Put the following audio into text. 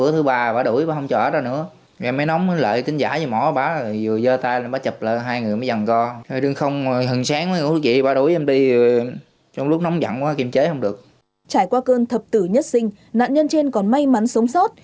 trải qua cơn thập tử nhất sinh nạn nhân trên còn may mắn sống sót